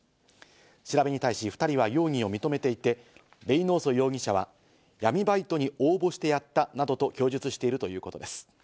調べに対し２人は容疑を認めていて、レイノーソ容疑者は闇バイトに応募してやったなどと供述しているということです。